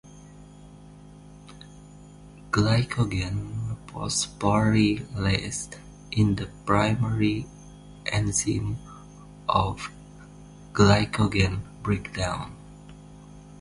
Glycogen phosphorylase is the primary enzyme of glycogen breakdown.